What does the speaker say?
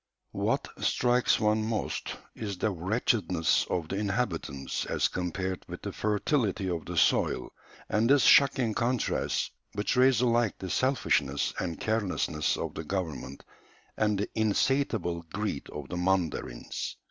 ] What strikes one most is the wretchedness of the inhabitants as compared with the fertility of the soil, and this shocking contrast betrays alike the selfishness and carelessness of the government and the insatiable greed of the mandarins.